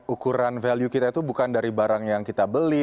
ukuran value kita itu bukan dari barang yang kita beli